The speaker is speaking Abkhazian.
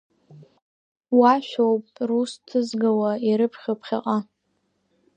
Уашәоуп рус ҭызгауа, ирыԥхьо ԥхьаҟа.